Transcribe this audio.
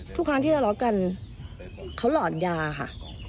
ทุกครั้งที่ทะเลาะกันเขาหลอนยาค่ะ